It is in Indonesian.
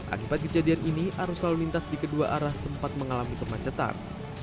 akibat kejadian ini arus lalu lintas di kedua arah sempat mengalami kemacetan